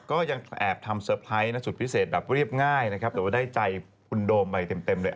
ก็ยังแอบทำสุดพิเศษแบบเรียบง่ายแต่ว่าได้ใจคุณโดมไปเต็มเลย